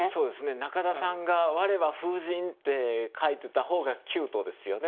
中田さんが「われは風神」って書いてた方がキュートですよね